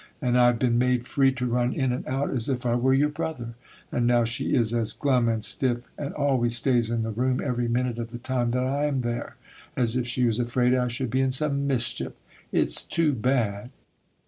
and I've been made free to run in and out as if I were your brother;—and now she is as glum and stiff, and always stays in the room every minute of the time that I am there, as if she was afraid I should be in some mischief. It's too bad!